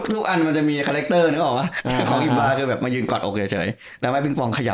แต่ไม่จับปล่อยดึงปล่อยสังคม